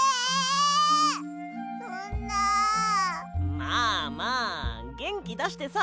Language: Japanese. まあまあげんきだしてさ。